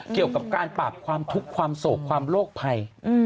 เกี่ยวกับการปราบความทุกข์ความโศกความโลกภัย